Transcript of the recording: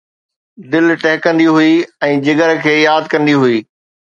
دل ٽهڪندي هئي ۽ جگر کي ياد ڪندي هئي